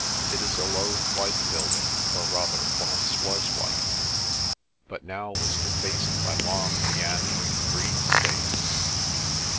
It is a low, white building, or rather, once was white, but now was defaced Secrecy Farm by long, meandering, green stains.